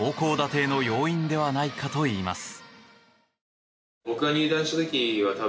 低の要因ではないかと言います。